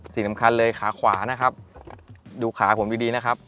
สิ่งสำคัญเลยขาขวานะครับดูขาผมดีดีนะครับ